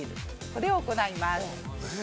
これを行います。